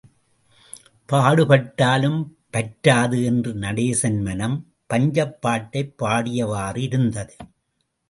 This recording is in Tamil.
பாடுபட்டாலும் பற்றாது என்று நடேசன் மனம், பஞ்சப்பாட்டைப் பாடியவாறு இருந்தது.